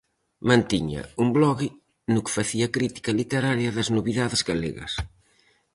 Mantiña un blog no que facía crítica literaria das novidades galegas.